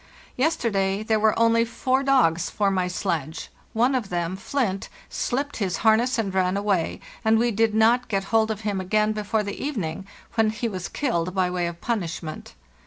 Yesterday there were only four dogs for my sledge. One of them, ' Flint, slipped his harness and ran away, and we did not get hold of him again before the evening, when he was killed by way of punishment.